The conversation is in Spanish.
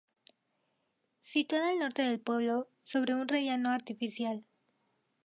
Situada al norte del pueblo, sobre un rellano artificial.